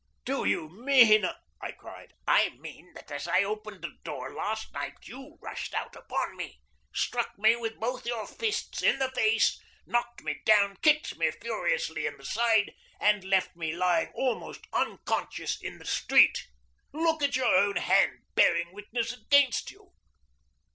"Do you mean " I cried. "I mean that as I opened the door last night you rushed out upon me, struck me with both your fists in the face, knocked me down, kicked me furiously in the side, and left me lying almost unconscious in the street. Look at your own hand bearing witness against you."